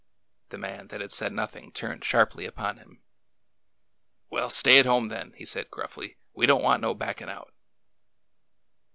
The man that had said nothing turned sharply upon him. " Well, stay at home, then," he said gruffly. '' We don't want no backin' out."